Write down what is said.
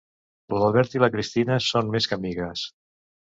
L'Albert i la Cristina són més que amigues.